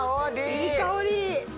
いい香り！